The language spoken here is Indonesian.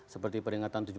seperti peringatan tujuh belas